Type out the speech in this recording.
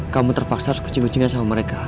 kamu terpaksa harus kucing kucingan sama mereka